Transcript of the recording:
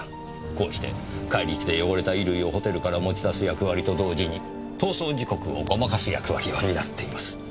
こうして返り血で汚れた衣類をホテルから持ち出す役割と同時に逃走時刻をごまかす役割を担っています。